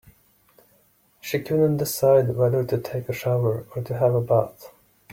She couldn't decide whether to take a shower or to have a bath.